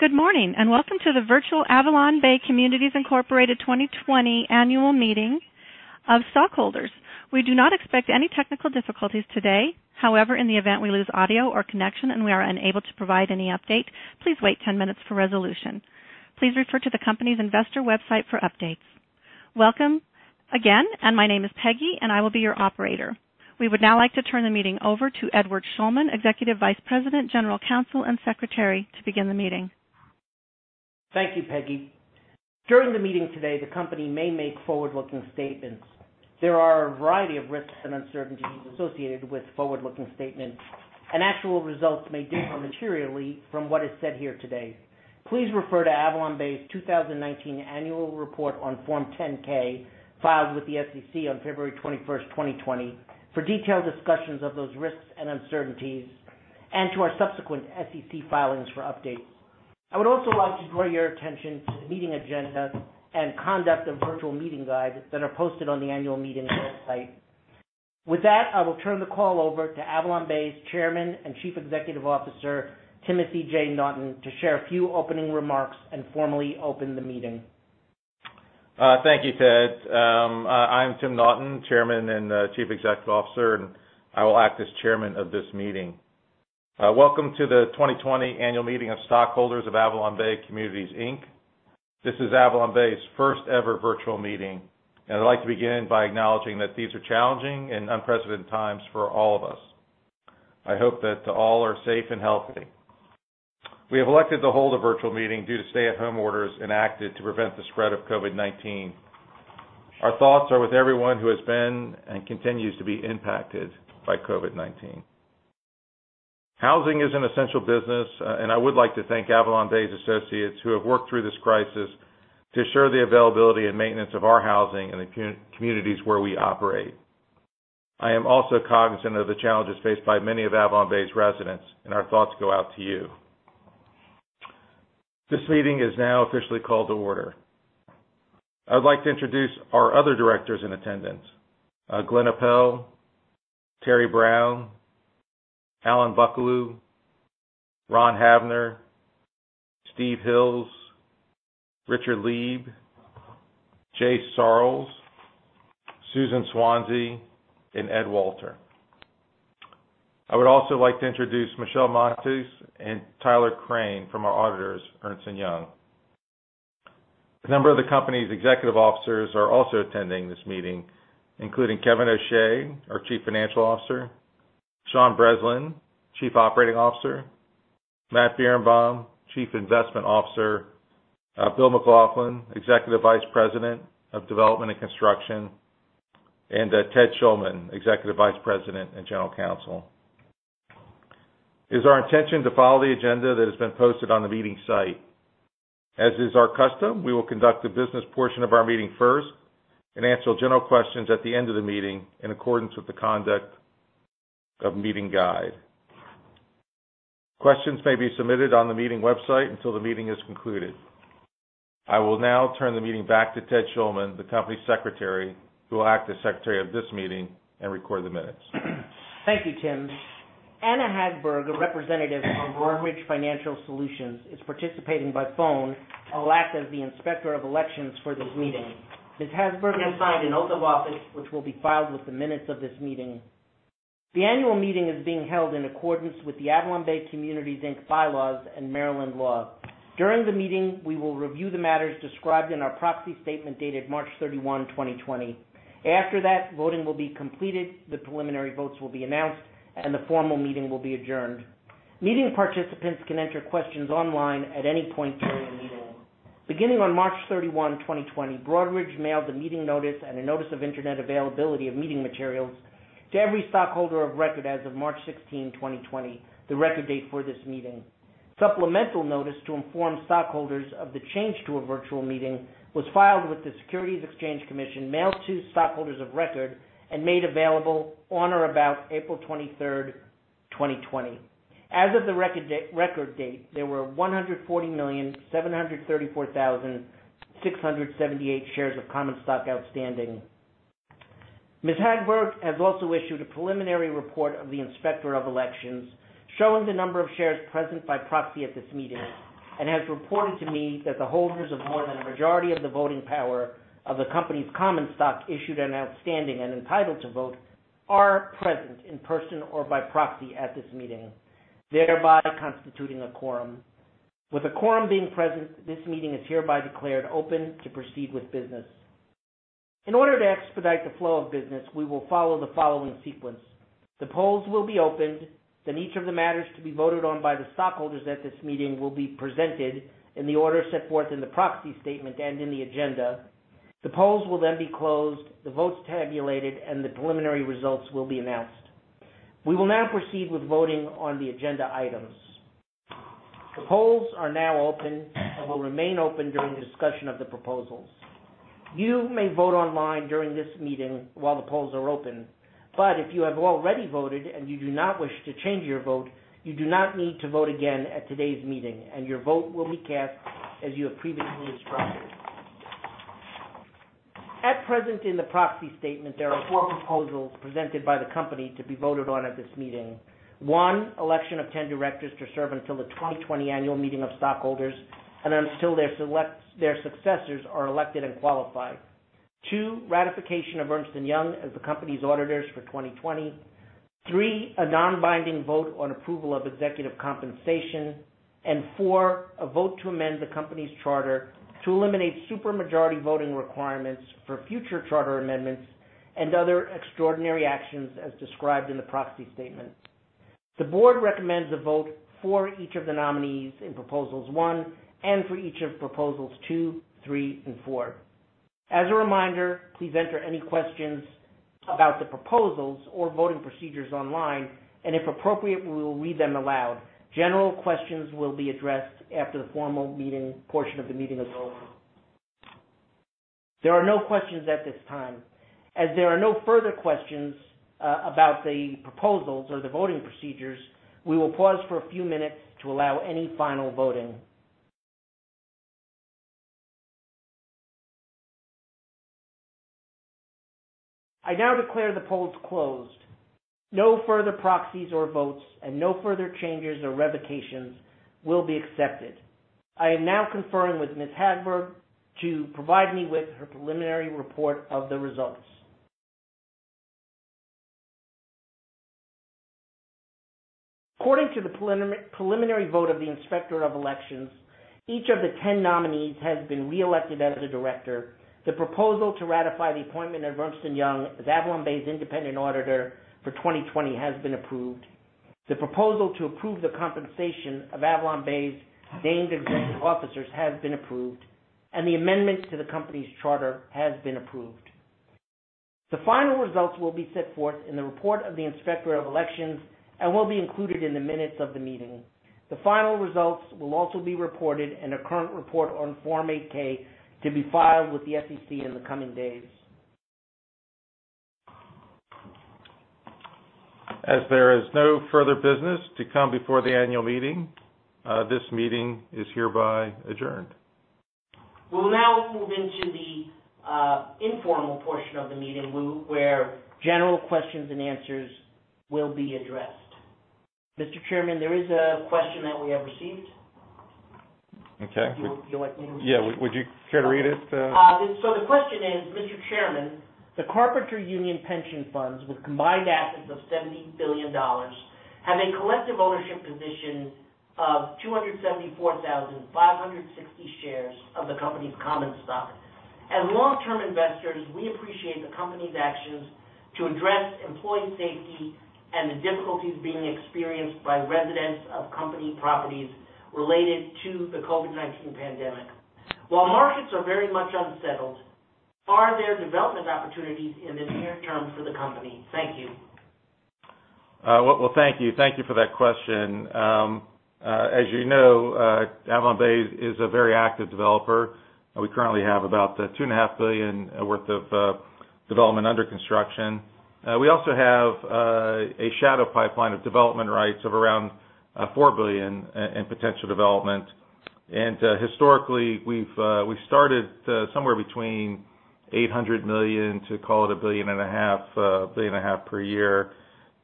Good morning, welcome to the virtual AvalonBay Communities Incorporated 2020 Annual Meeting of Stockholders. We do not expect any technical difficulties today. In the event we lose audio or connection, and we are unable to provide any update, please wait 10 minutes for resolution. Please refer to the company's investor website for updates. Welcome again, my name is Peggy, and I will be your operator. We would now like to turn the meeting over to Edward Schulman, Executive Vice President, General Counsel, and Secretary, to begin the meeting. Thank you, Peggy. During the meeting today, the company may make forward-looking statements. There are a variety of risks and uncertainties associated with forward-looking statements, and actual results may differ materially from what is said here today. Please refer to AvalonBay's 2019 annual report on Form 10-K filed with the SEC on February 21st, 2020, for detailed discussions of those risks and uncertainties, and to our subsequent SEC filings for updates. I would also like to draw your attention to the meeting agenda and conduct of virtual meeting guides that are posted on the annual meeting website. With that, I will turn the call over to AvalonBay's Chairman and Chief Executive Officer, Timothy J. Naughton, to share a few opening remarks and formally open the meeting. Thank you, Ted. I'm Tim Naughton, Chairman and Chief Executive Officer, and I will act as chairman of this meeting. Welcome to the 2020 annual meeting of stockholders of AvalonBay Communities, Inc. This is AvalonBay's first ever virtual meeting, and I'd like to begin by acknowledging that these are challenging and unprecedented times for all of us. I hope that all are safe and healthy. We have elected to hold a virtual meeting due to stay-at-home orders enacted to prevent the spread of COVID-19. Our thoughts are with everyone who has been, and continues to be impacted by COVID-19. Housing is an essential business, and I would like to thank AvalonBay's associates who have worked through this crisis to ensure the availability and maintenance of our housing in the communities where we operate. I am also cognizant of the challenges faced by many of AvalonBay's residents, and our thoughts go out to you. This meeting is now officially called to order. I would like to introduce our other directors in attendance. Glyn Aeppel, Terry Brown, Alan Buckelew, Ron Havner, Steve Hills, Richard Lieb, Jay Sarles, Susan Swanesey, and Ed Walter. I would also like to introduce Michelle Montes and Tyler Crane from our auditors, Ernst & Young. A number of the company's Executive Officers are also attending this meeting, including Kevin O'Shea, our Chief Financial Officer, Sean Breslin, Chief Operating Officer, Matt Birenbaum, Chief Investment Officer, Bill McLaughlin, Executive Vice President of Development and Construction, and Ted Schulman, Executive Vice President and General Counsel. It is our intention to follow the agenda that has been posted on the meeting site. As is our custom, we will conduct the business portion of our meeting first and answer general questions at the end of the meeting in accordance with the conduct of meeting guide. Questions may be submitted on the meeting website until the meeting is concluded. I will now turn the meeting back to Ted Schulman, the company Secretary, who will act as Secretary of this meeting and record the minutes. Thank you, Tim. Anna Hagberg, a representative of Broadridge Financial Solutions, is participating by phone and will act as the Inspector of Elections for this meeting. Ms. Hagberg has signed an oath of office, which will be filed with the minutes of this meeting. The annual meeting is being held in accordance with the AvalonBay Communities, Inc. bylaws and Maryland law. During the meeting, we will review the matters described in our proxy statement dated March 31, 2020. After that, voting will be completed, the preliminary votes will be announced, and the formal meeting will be adjourned. Meeting participants can enter questions online at any point during the meeting. Beginning on March 31, 2020, Broadridge mailed the meeting notice and a notice of internet availability of meeting materials to every stockholder of record as of March 16, 2020, the record date for this meeting. Supplemental notice to inform stockholders of the change to a virtual meeting was filed with the Securities and Exchange Commission, mailed to stockholders of record, and made available on or about April 23rd, 2020. As of the record date, there were 140,734,678 shares of common stock outstanding. Ms. Hagberg has also issued a preliminary report of the Inspector of Elections showing the number of shares present by proxy at this meeting and has reported to me that the holders of more than a majority of the voting power of the company's common stock issued and outstanding and entitled to vote are present in person or by proxy at this meeting, thereby constituting a quorum. With a quorum being present, this meeting is hereby declared open to proceed with business. In order to expedite the flow of business, we will follow the following sequence. The polls will be opened, then each of the matters to be voted on by the stockholders at this meeting will be presented in the order set forth in the proxy statement and in the agenda. The polls will then be closed, the votes tabulated, and the preliminary results will be announced. We will now proceed with voting on the agenda items. The polls are now open and will remain open during the discussion of the proposals. You may vote online during this meeting while the polls are open, but if you have already voted and you do not wish to change your vote, you do not need to vote again at today's meeting, and your vote will be cast as you have previously instructed. At present, in the proxy statement, there are four proposals presented by the company to be voted on at this meeting. One, election of 10 directors to serve until the 2020 annual meeting of stockholders and until their successors are elected and qualified. Two, ratification of Ernst & Young as the company's auditors for 2020. Three, a non-binding vote on approval of executive compensation. Four, a vote to amend the company's charter to eliminate supermajority voting requirements for future charter amendments and other extraordinary actions as described in the proxy statement. The board recommends a vote for each of the nominees in proposals one, and for each of proposals two, three, and four. As a reminder, please enter any questions about the proposals or voting procedures online, and if appropriate, we will read them aloud. General questions will be addressed after the formal portion of the meeting is over. There are no questions at this time. As there are no further questions about the proposals or the voting procedures, we will pause for a few minutes to allow any final voting. I now declare the polls closed. No further proxies or votes, and no further changes or revocations will be accepted. I am now conferring with Ms. Hagberg to provide me with her preliminary report of the results. According to the preliminary vote of the Inspector of Elections, each of the 10 nominees has been reelected as a director. The proposal to ratify the appointment of Ernst & Young as AvalonBay's independent auditor for 2020 has been approved. The proposal to approve the compensation of AvalonBay's named executive officers has been approved, and the amendments to the company's charter has been approved. The final results will be set forth in the report of the Inspector of Elections and will be included in the minutes of the meeting. The final results will also be reported in a current report on Form 8-K to be filed with the SEC in the coming days. As there is no further business to come before the annual meeting, this meeting is hereby adjourned. We'll now move into the informal portion of the meeting, where general questions and answers will be addressed. Mr. Chairman, there is a question that we have received. Okay. Would you like me to read it? Yeah. Would you care to read it? The question is, Mr. Chairman, the Carpenters Union pension funds, with combined assets of $70 billion, have a collective ownership position of 274,560 shares of the company's common stock. As long-term investors, we appreciate the company's actions to address employee safety and the difficulties being experienced by residents of company properties related to the COVID-19 pandemic. While markets are very much unsettled, are there development opportunities in the near term for the company? Thank you. Well, thank you. Thank you for that question. As you know, AvalonBay is a very active developer. We currently have about $2.5 billion worth of development under construction. We also have a shadow pipeline of development rights of around $4 billion in potential development. Historically, we've started somewhere between $800 million to call it a billion and a half per year.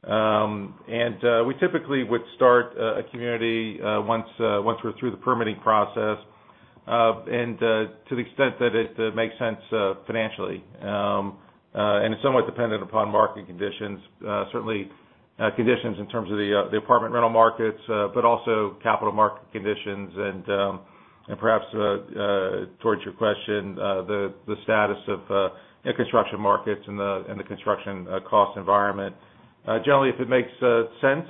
We typically would start a community once we're through the permitting process, and to the extent that it makes sense financially, and it's somewhat dependent upon market conditions. Certainly, conditions in terms of the apartment rental markets, but also capital market conditions and perhaps, towards your question, the status of construction markets and the construction cost environment. Generally, if it makes sense,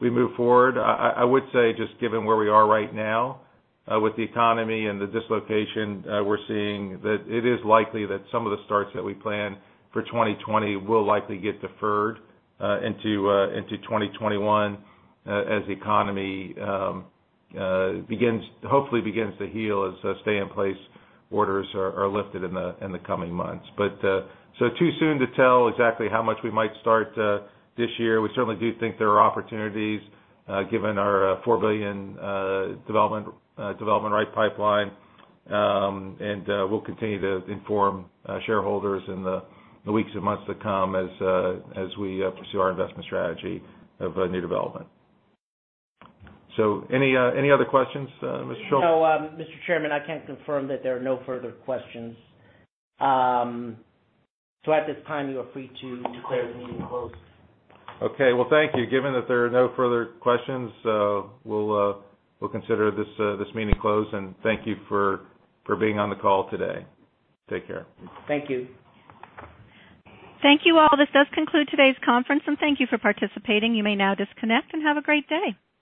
we move forward. I would say just given where we are right now with the economy and the dislocation we're seeing, that it is likely that some of the starts that we plan for 2020 will likely get deferred into 2021 as the economy hopefully begins to heal, as stay in place orders are lifted in the coming months. Too soon to tell exactly how much we might start this year. We certainly do think there are opportunities, given our $4 billion development right pipeline. We'll continue to inform shareholders in the weeks and months to come as we pursue our investment strategy of new development. Any other questions, Mr. Schulman? No, Mr. Chairman, I can confirm that there are no further questions. At this time, you are free to declare the meeting closed. Okay. Well, thank you. Given that there are no further questions, we'll consider this meeting closed, and thank you for being on the call today. Take care. Thank you. Thank you all. This does conclude today's conference, and thank you for participating. You may now disconnect, and have a great day.